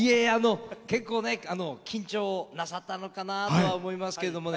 結構緊張なさったのかなとは思いますけどもね。